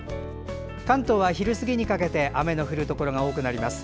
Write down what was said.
関東は昼過ぎにかけて雨の降るところが多くなります。